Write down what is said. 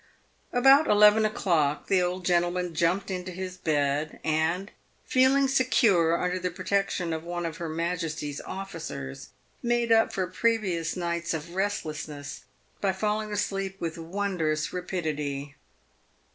About eleven o'clock, the old gentleman jumped into his bed, and, feeling secure under the protection of one of her Majesty's officers, made up for previous nights of restlessness by falling to sleep with wondrous rapidity.